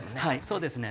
そうですね。